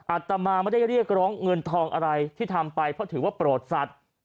อาตมาไม่ได้เรียกร้องเงินทองอะไรที่ทำไปเพราะถือว่าโปรดสัตว์